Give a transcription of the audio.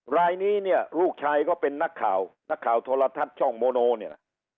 รายนี้เนี่ยลูกชายก็เป็นนักข่าวนักข่าวโทรทัศน์ช่องโมโนเนี่ยนะ